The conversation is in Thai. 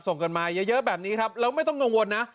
ส่งกันมาเยอะแบบนี้ครับแล้วไม่ต้องกังวลนะ